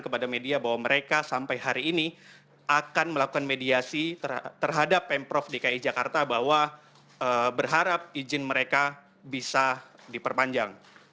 kepada media bahwa mereka sampai hari ini akan melakukan mediasi terhadap pemprov dki jakarta bahwa berharap izin mereka bisa diperpanjang